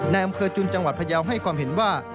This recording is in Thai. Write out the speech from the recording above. ในอำเภอจุนจังหวัดพยาวให้ความเห็นว่า